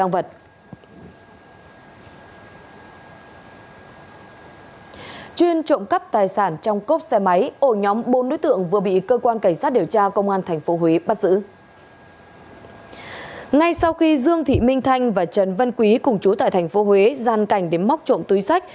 vì dương thị minh thanh và trần văn quý cùng chú tại tp huế gian cảnh đến móc trộm tươi sách